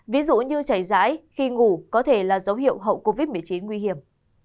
ví dụ như chảy rãi khi ngủ có thể là dấu hiệu hậu covid một mươi chín nguy hiểm